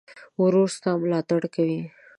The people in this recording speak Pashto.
ورور ستا ملاتړ کوي.